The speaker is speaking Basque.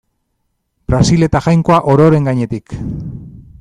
Brasil eta Jainkoa ororen gainetik.